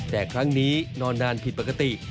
แต่ครั้งนี้นอนนานผิดปกติ